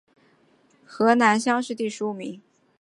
河南乡试第十五名。